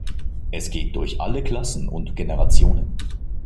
Es geht durch alle Klassen und Generationen.